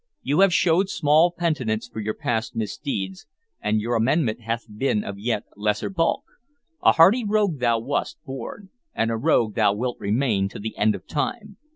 You have showed small penitence for past misdeeds, and your amendment hath been of yet lesser bulk. A hardy rogue thou wast born, and a rogue thou wilt remain to the end of time.